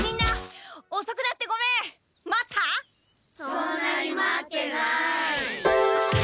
そんなに待ってない。